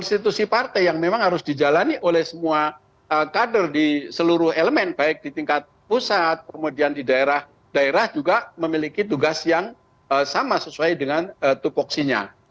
institusi partai yang memang harus dijalani oleh semua kader di seluruh elemen baik di tingkat pusat kemudian di daerah daerah juga memiliki tugas yang sama sesuai dengan tupoksinya